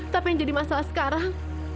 tapi yang jadi masalah sekarang